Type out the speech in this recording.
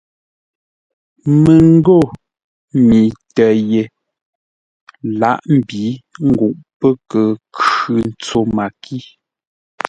Məngô mi tə́ ye lǎʼ mbǐ nguʼ pə́ kə khʉ ntso makí.